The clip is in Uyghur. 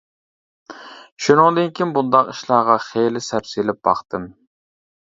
شۇنىڭدىن كىيىن بۇنداق ئىشلارغا خېلى سەپ سېلىپ باقتىم.